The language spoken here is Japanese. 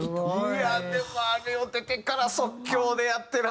いやでもあれを出てから即興でやってらっしゃるのは。